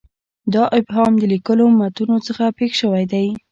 دا ابهام د لیکلو متونو څخه پېښ شوی دی.